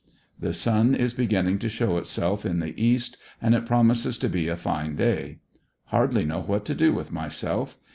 The sun is beginning to show itself in the east and it promises to be a fine day. Hardly know what to do with myself.